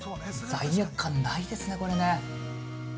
罪悪感ないですね、これね！